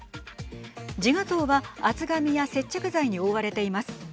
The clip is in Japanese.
自画像は厚紙や接着剤に覆われています。